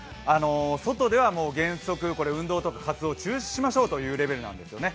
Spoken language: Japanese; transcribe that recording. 外では原則、運動とか活動を中止しましょうというレベルなんですよね。